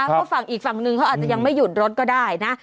เพราะฝั่งอีกฝั่งนึงเขาอาจจะยังไม่หยุดรถก็ได้นะ